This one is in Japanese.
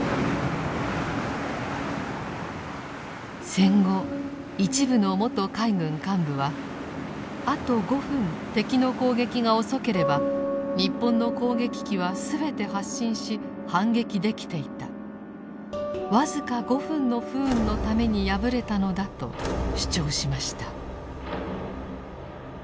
戦後一部の元海軍幹部はあと５分敵の攻撃が遅ければ日本の攻撃機は全て発進し反撃できていたわずか５分の不運のために敗れたのだと主張しました。